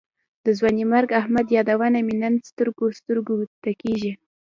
د ځوانمرګ احمد یادونه مې نن سترګو سترګو ته کېږي.